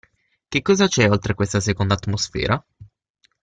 Che cosa c'è oltre questa seconda atmosfera?